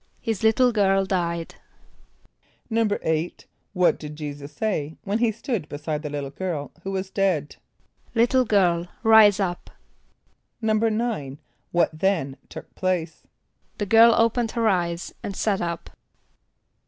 =His little girl died.= =8.= What did J[=e]´[s+]us say when he stood beside the little girl who was dead? ="Little girl, rise up!"= =9.= What then took place? =The girl opened her eyes and sat up.